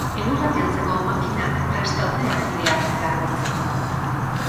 Elurra kentzeko makinak prest daude errepideak garbitzeko.